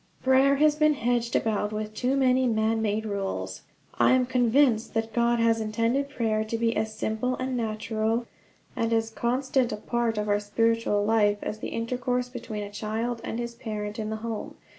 Prayer has been hedged about with too many man made rules. I am convinced that God has intended prayer to be as simple and natural, and as constant a part of our spiritual life, as the intercourse between a child and his parent in the home.